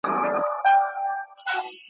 چي هر څومره منډه کړو شاته پاتیږو `